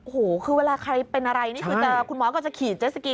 โอ้โฮคือเวลาใครเป็นอะไรคุณอาจจะขี่เจ็ตสกี